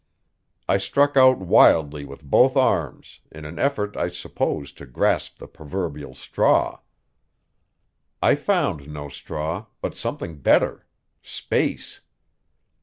I struck out wildly with both arms in an effort, I suppose, to grasp the proverbial straw. I found no straw, but something better space.